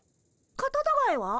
カタタガエは？